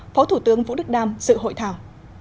phó thủ tướng vũ đức đam dự hội thảo